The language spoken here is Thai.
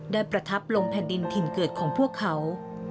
ประทับลงแผ่นดินถิ่นเกิดของพวกเขา